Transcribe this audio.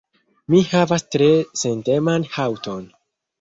Mi havas tre senteman haŭton.